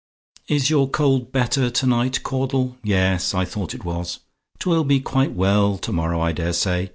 "Is your cold better to night, Caudle? Yes; I thought it was. 'Twill be quite well to morrow, I dare say.